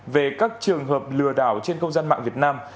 về các trường hợp lừa đảo trên không gian mạng việt nam